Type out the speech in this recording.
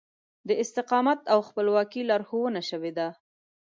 د استقامت او خپلواکي لارښوونه شوې ده.